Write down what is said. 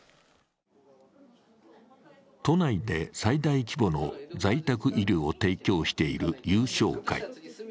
都内で最大規模の在宅医療を提供している悠翔会。